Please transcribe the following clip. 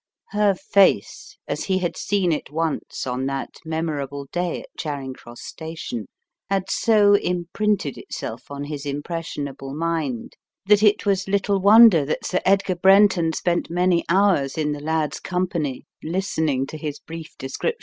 Her face, as he had seen it once on that memorable day at Charing Cross Station, had so imprinted itself on his impressionable mind that it was little wonder that Sir Edgar Brenton spent many hours in the lad's company listening to his brief descrip.